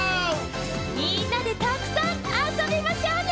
みんなでたくさんあそびましょうね！